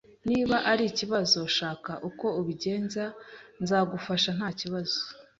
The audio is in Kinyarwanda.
Niba ari ikibazo shaka uko ubigenza nzagufasha ntakibazo